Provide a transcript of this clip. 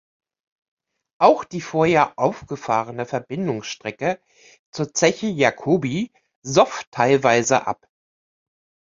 Auch die vorher aufgefahrene Verbindungsstrecke zur Zeche Jacobi soff teilweise ab.